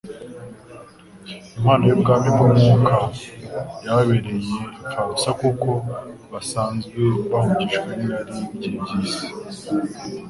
Impano y'ubwami bw'umwuka yababereye imfabusa kuko basanzwe bahugijwe n'irari ry'iby'isi.